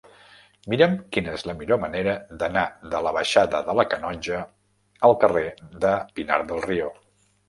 Mira'm quina és la millor manera d'anar de la baixada de la Canonja al carrer de Pinar del Río.